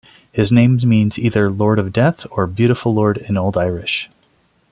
His name means either "Lord of Death" or "Beautiful Lord" in Old Irish.